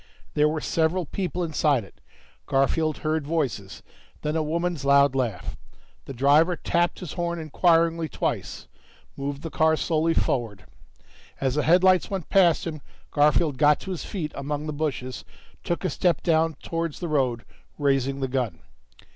There were several people inside it; Garfield heard voices, then a woman's loud laugh. The driver tapped his horn inquiringly twice, moved the car slowly forward. As the headlights went past him, Garfield got to his feet among the bushes, took a step down towards the road, raising the gun.